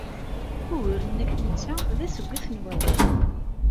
Ugur-nnek netta d assugget n wawal.